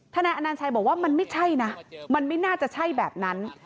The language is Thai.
นายอนัญชัยบอกว่ามันไม่ใช่นะมันไม่น่าจะใช่แบบนั้น